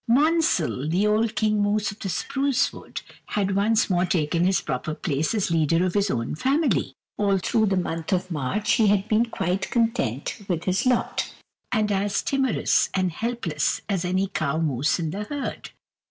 Monsall, the old King Moose of the spruce wood, had once more taken his proper place as leader of his own family. All through the month of March he had been quite content with his lot, and as timorous and helpless as any cow moose in the herd.